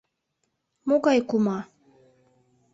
Могай кума?